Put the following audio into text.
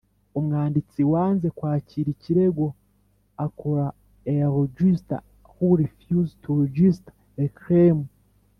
Umwanditsi wanze kwakira ikirego akora A registrar who refuses to register a claim